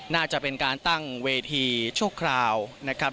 น่าจะเป็นการตั้งเวทีชั่วคราวนะครับ